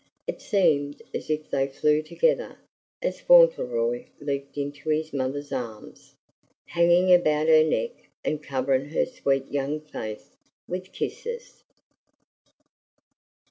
It seemed as if they flew together, as Fauntleroy leaped into his mother's arms, hanging about her neck and covering her sweet young face with kisses.